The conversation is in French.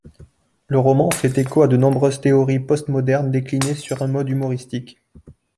Le roman fait écho à de nombreuses théories postmodernes déclinées sur un mode humoristique.